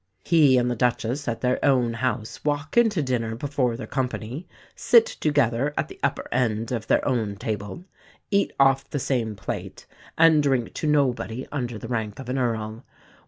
He and the Duchess, at their own house, walk into dinner before their company, sit together at the upper end of their own table, eat off the same plate, and drink to nobody under the rank of an Earl.